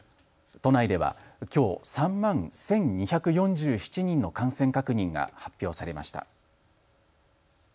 都内ではきょう３万１２４７人の感染確認が発表されました。